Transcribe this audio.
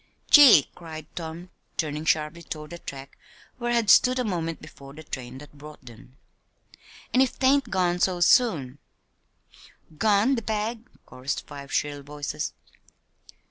"Gee!" cried Tom, turning sharply toward the track where had stood a moment before the train that brought them. "An' if 'tain't gone so soon!" "Gone the bag?" chorused five shrill voices.